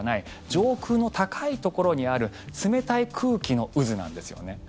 上空の高いところにある冷たい空気の渦なんですよね。